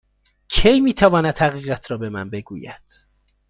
کی می تواند حقیقت را به من بگوید؟